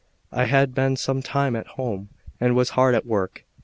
I had been some time at home, and was hard at work.